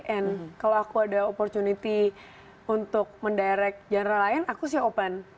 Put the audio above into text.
and kalau aku ada opportunity untuk mendirect genre lain aku sih open